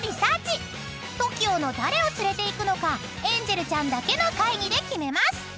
ＴＯＫＩＯの誰を連れていくのかエンジェルちゃんだけの会議で決めます］